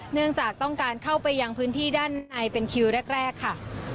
เนื่องจากต้องการเข้าไปยังพื้นที่ด้านในเป็นคิวแรกค่ะ